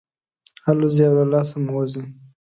الوزي او له لاسه مو وځي.